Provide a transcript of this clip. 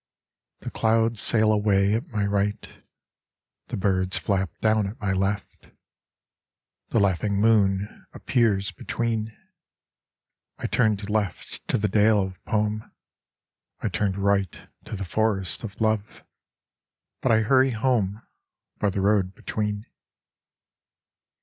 The clouds sail away at my right : The birds flap down at my left : The laughing moon appears between. I turned left to the dale of poem ; I turned right to the forest of Love : But I hurry Home by the road between.